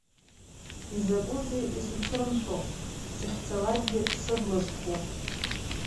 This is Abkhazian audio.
Изакәызеи исыцрымшәо, сыхьцалакгьы сыбла зху?